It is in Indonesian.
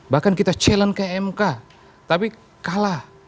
bahkan kita challenge kmk tapi kalah